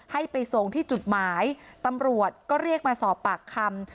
ให้ไปส่งที่จุดหมายตำรวจก็เรียกมาสอบปากคำ